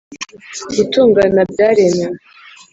gutungana byaremewe